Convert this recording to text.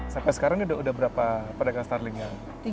sampai sekarang ini udah berapa pedagang starlingnya